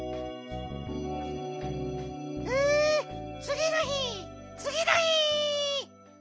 つぎのひつぎのひ！